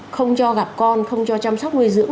không cho gặp con không cho chăm sóc nuôi dưỡng